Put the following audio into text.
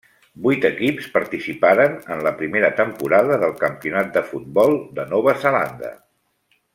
Vuit equips participaren en la primera temporada del Campionat de Futbol de Nova Zelanda.